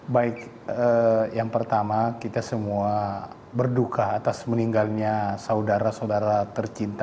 baik yang pertama kita semua berduka atas meninggalnya saudara saudara tercinta